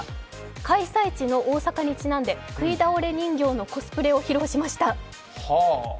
開催地の大阪にちなんで食い倒れ人形のコスプレを披露しました。